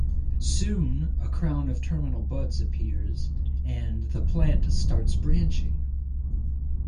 Soon a crown of terminal buds appears and the plant starts branching.